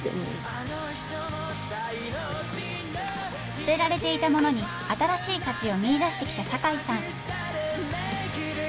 捨てられていたものに新しい価値を見いだしてきた酒井さん。